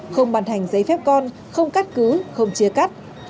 không bàn hành giấy phép con không cắt cứ không chia cắt